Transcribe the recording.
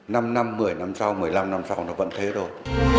năm năm một mươi năm sau một mươi năm năm sau nó vẫn thế rồi